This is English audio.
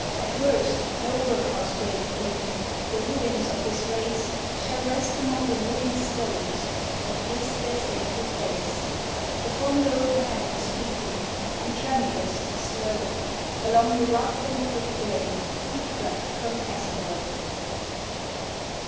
At worst, no workhouse grave for him! the ruins of his race Shall rest among the ruin'd stones of this their saintly place. The fond old man was weeping; and tremulous and slow Along the rough and crooked lane he crept from Asaroe.